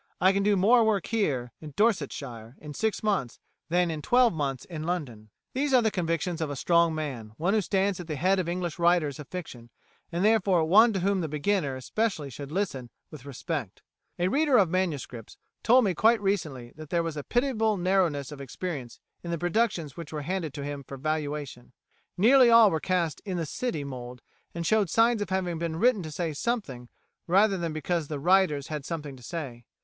I can do more work here [in Dorsetshire] in six months than in twelve months in London."[148:A] These are the convictions of a strong man, one who stands at the head of English writers of fiction, and therefore one to whom the beginner especially should listen with respect. A reader of MSS. told me quite recently that there was a pitiable narrowness of experience in the productions which were handed to him for valuation; nearly all were cast in the "city" mould, and showed signs of having been written to say something rather than because the writers had something to say.